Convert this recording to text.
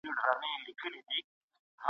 د لويي جرګې د خېمې ډیزاین څوک کوي؟